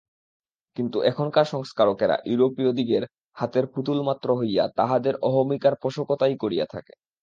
কিন্তু এখানকার সংস্কারকেরা ইউরোপীয়দিগের হাতের পুতুল-মাত্র হইয়া তাহাদের অহমিকার পোষকতাই করিয়া থাকে।